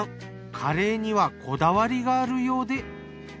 カレーにはこだわりがあるようで。